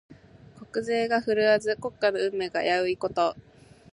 国勢が振るわず、国家の運命が危ういこと。